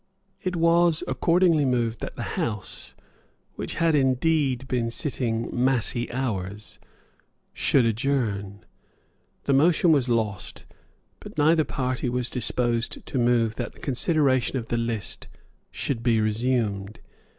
It was accordingly moved that the House, which had indeed been sitting massy hours, should adjourn. The motion was lost; but neither party was disposed to move that the consideration of the list should be resumed.